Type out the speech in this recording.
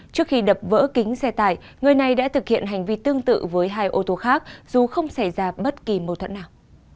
trước khi đập vỡ kính xe tải người này đã thực hiện hành vi tương tự với hai ô tô khác dù không xảy ra bất kỳ mâu thuẫn nào